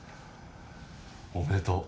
おめでとう。